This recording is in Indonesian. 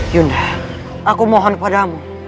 yunda aku mohon padamu